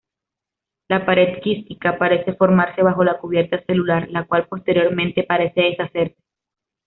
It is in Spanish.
La pared quística parece formarse bajo la cubierta celular, la cual posteriormente parece deshacerse.